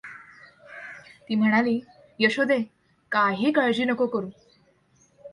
ती म्हणाली, "यशोदे, काही काळजी नको करू.